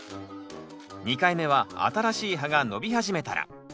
２回目は新しい葉が伸び始めたら。